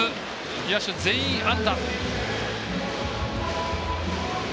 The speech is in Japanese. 野手全員安打。